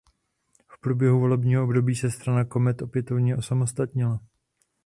V průběhu volebního období se strana Comet opětovně osamostatnila.